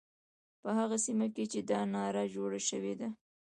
په هغه سیمه کې چې دا ناره جوړه شوې ده.